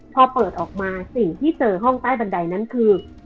พอเปิดออกมาสิ่งที่เจอห้องใต้บันไดนั้นคือ